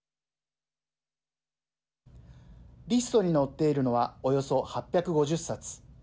リストに載っているのはおよそ８５０冊。